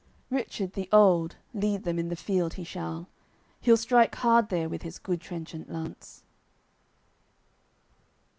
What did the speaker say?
Richard the old, lead them in th'field he shall, He'll strike hard there with his good trenchant lance.